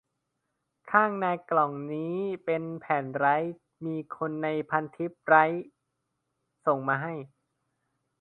ข้างในกล่องนี่เป็นแผ่นไรต์ มีคนในพันทิปไรต์ส่งมาให้